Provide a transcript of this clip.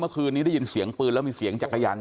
เมื่อคืนนี้ได้ยินเสียงปืนแล้วมีเสียงจักรยาน